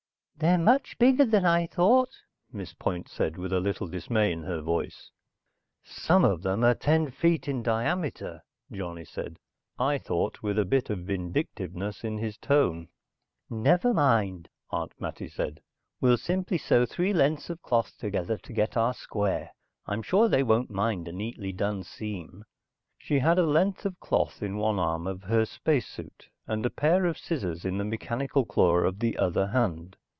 "They're much bigger than I thought," Miss Point said with a little dismay in her voice. "Some of them are ten feet in diameter," Johnny said, I thought with a bit of vindictiveness in his tone. "Never mind," Aunt Mattie said. "We'll simply sew three lengths of cloth together to get our square. I'm sure they won't mind a neatly done seam." She had a length of cloth in one arm of her space suit, and a pair of scissors in the mechanical claw of the other hand.